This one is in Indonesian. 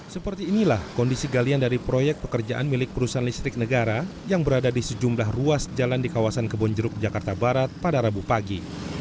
seperti inilah kondisi galian dari proyek pekerjaan milik perusahaan listrik negara yang berada di sejumlah ruas jalan di kawasan kebonjeruk jakarta barat pada rabu pagi